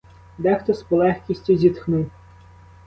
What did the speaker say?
Дехто з полегкістю зітхнув.